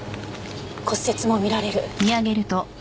骨折も見られる。